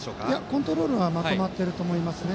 コントロールはまとまっていると思いますね。